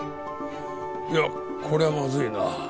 いやこりゃまずいな。